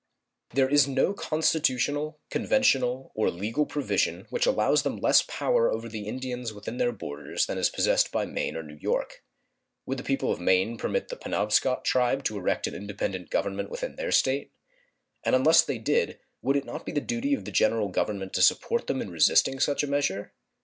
There is no constitutional, conventional, or legal provision which allows them less power over the Indians within their borders than is possessed by Maine or New York. Would the people of Maine permit the Penobscot tribe to erect an independent government within their State? And unless they did would it not be the duty of the General Government to support them in resisting such a measure?